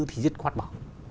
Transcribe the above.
thì dứt khoát bỏ